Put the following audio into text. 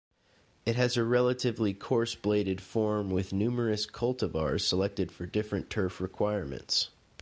It has a relatively coarse-bladed form with numerous cultivars selected for different turf requirements.